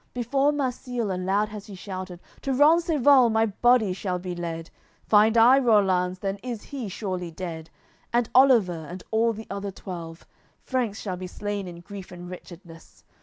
Before Marsile aloud has he shouted: "To Rencesvals my body shall be led; Find I Rollanz, then is he surely dead, And Oliver, and all the other twelve; Franks shall be slain in grief and wretchedness.